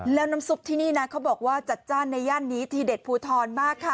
แล้วน้ำซุปที่นี่นะเขาบอกว่าจัดจ้านในย่านนี้ทีเด็ดภูทรมากค่ะ